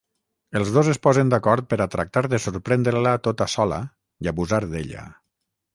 Els dos es posen d'acord per a tractar de sorprendre-la tota sola i abusar d'ella.